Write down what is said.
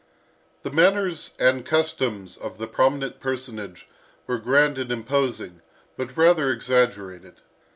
The manners and customs of the prominent personage were grand and imposing, but rather exaggerated.